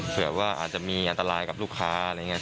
เผื่อว่าอาจจะมีอันตรายกับลูกค้าอะไรอย่างนี้